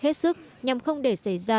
hết sức nhằm không để xảy ra